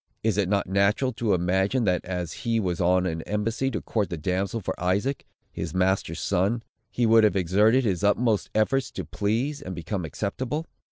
Is it not natural to imagine, that, as he was on an embassy to court the damsel for Isaac, his master's son, he would have exerted his utmost efforts to please, and become acceptable?